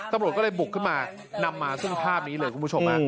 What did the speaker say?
ตำรวจก็เลยบุกขึ้นมานำมาซึ่งภาพนี้เลยคุณผู้ชม